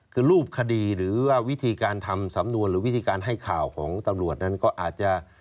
คือรูปคดีหรือว่าวิธีการทำสำนวนหรือวิธีการให้ข่าวของตำรวจนั้นก็อาจจะ